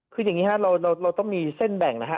คืออย่างนี้ฮะเราต้องมีเส้นแบ่งนะฮะ